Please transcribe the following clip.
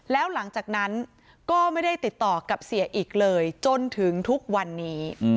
แล้วหลังจากนั้นก็ไม่ได้ติดต่อกับเสียอีกเลยจนถึงทุกวันนี้